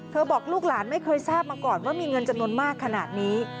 บอกลูกหลานไม่เคยทราบมาก่อนว่ามีเงินจำนวนมากขนาดนี้